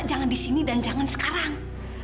jangan di sini dan jangan sekarang